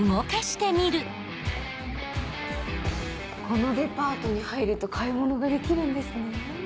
このデパートに入ると買い物ができるんですねぇ。